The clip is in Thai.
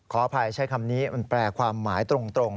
ขออภัยใช้คำนี้มันแปลความหมายตรง